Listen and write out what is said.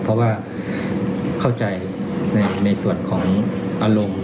เพราะว่าเข้าใจในส่วนของอารมณ์